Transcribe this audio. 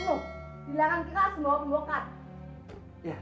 di dalam kita semua berbuka